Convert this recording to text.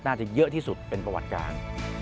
น่าจะเยอะที่สุดเป็นประวัติการ